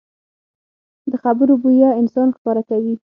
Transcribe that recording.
د خبرو بویه انسان ښکاره کوي